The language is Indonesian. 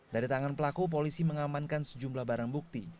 dari tangan pelaku polisi mengamankan sejumlah barang bukti